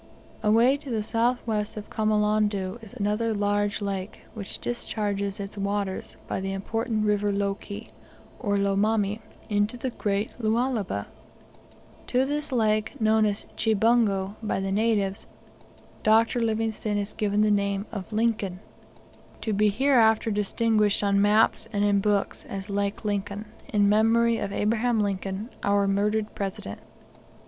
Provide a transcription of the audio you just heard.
Away to the south west from Kamolondo is another large lake, which discharges its waters by the important River Loeki, or Lomami, into the great Lualaba. To this lake, known as Chebungo by the natives, Dr. Livingstone has given the name of "Lincoln," to be hereafter distinguished on maps and in books as Lake Lincoln, in memory of Abraham Lincoln, our murdered President.